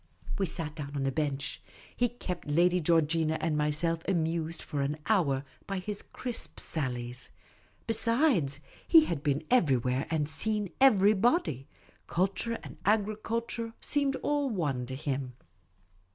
We sat down on a bench ; he kept Lady Georgina and myself amused for an hour by his crisp sallies. Besides, he had been everywhere and seen every body. Culture and agriculture seemed all one to him.